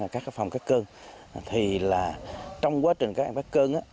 các phòng cắt cơn thì là trong quá trình các em cắt cơn